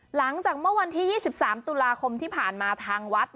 หลังจากเมื่อวันที่๒๓ตุลาคมที่ผ่านมาทางวัด